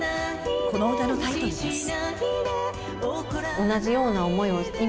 この歌のタイトルです。